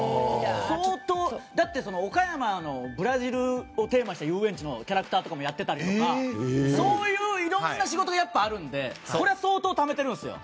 だって、岡山のブラジルをテーマにした遊園地のキャラクターとかもやってたりとかいろんな仕事があるので、これは相当ためてるんですよ！